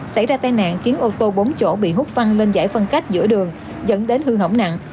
xảy ra tai nạn khiến ô tô bốn chỗ bị hút văng lên giải phân cách giữa đường dẫn đến hư hỏng nặng